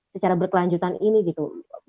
secara berkelanjutan ini gitu